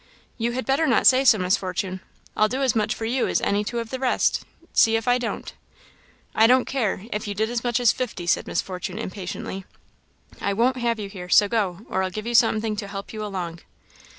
"You had better not say so, Miss Fortune; I'll do as much for you as any two of the rest see if I don't!" "I don't care if you did as much as fifty!" said Miss Fortune impatiently. "I won't have you here; so go, or I'll give you something to help you along."